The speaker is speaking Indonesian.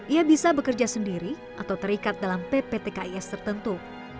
ia bisa bekerja sendiri atau terikat dalam pptkis tertentu